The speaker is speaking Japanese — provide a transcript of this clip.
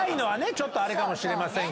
ちょっとあれかもしれませんけど。